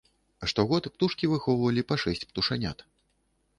Штогод птушкі выхоўвалі па шэсць птушанят.